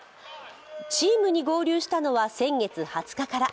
チームに合流したのは先月２０日から。